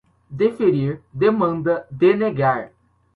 deferir, demanda, denegar